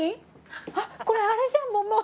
あっこれあれじゃん！